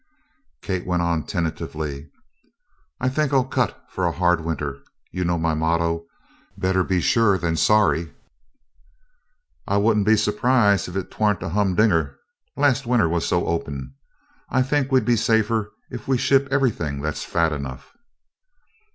Kate went on tentatively: "I think I'll 'cut' for a hard winter. You know my motto, 'Better be sure than sorry.'" "I wouldn't be surprised if 'twan't a humdinger last winter was so open. I think we'd be safer if we ship everything that's fat enough."